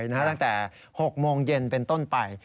ตั้งแต่๖โมงเย็นเป็นต้นไป